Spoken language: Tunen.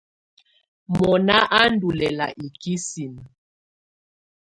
Mɔnà á ndù lɛla ikisinǝ.